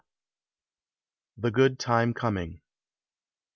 THE GOOD TIME COMING.